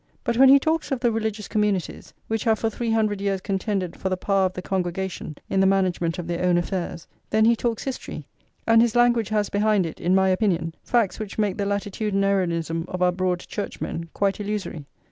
But when he talks of the religious communities "which have for three hundred years contended for the power of the congregation in the management of their own affairs," then he talks history; and his language has behind it, in my opinion, facts which make the latitudinarianism of our Broad Churchmen quite illusory.